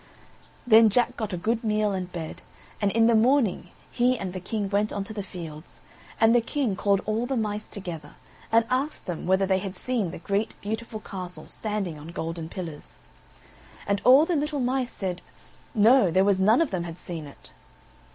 Then Jack got a good meal and bed, and in the morning he and the King went on to the fields; and the King called all the mice together, and asked them whether they had seen the great beautiful castle standing on golden pillars. And all the little mice said, No, there was none of them had seen it.